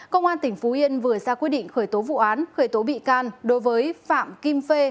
công an tỉnh phú yên vừa ra quyết định khởi tố vụ án khởi tố bị can đối với phạm kim phê